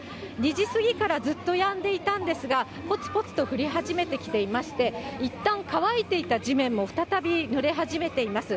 ２時過ぎからずっとやんでいたんですが、ぽつぽつと降り始めてきていまして、いったん、乾いていた地面も再びぬれ始めています。